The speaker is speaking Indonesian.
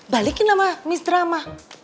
balikin sama miss drama